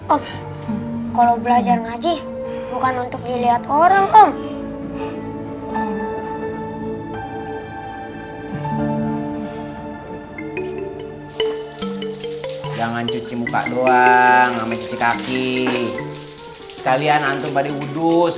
om kalo belajar ngaji bukan untuk diliat orang om